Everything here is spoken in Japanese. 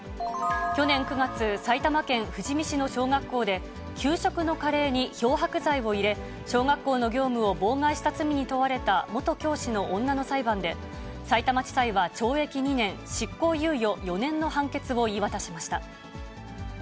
去年９月、埼玉県富士見市の小学校で、給食のカレーに漂白剤を入れ、小学校の業務を妨害した罪に問われた元教師の女の裁判で、さいたま地裁は懲役２年、執行猶予４年の判決を言い渡しました。